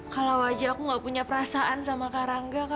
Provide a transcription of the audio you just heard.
kalau aja aku gak punya perasaan sama rangga